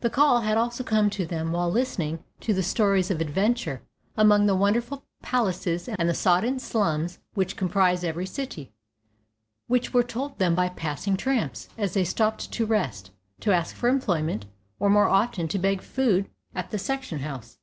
The "call" had also come to them while listening to the stories of adventure among the wonderful palaces and the sodden slums which comprise every city, which were told them by passing tramps as they stopped to rest, to ask for employment, or more often to beg food at the section house.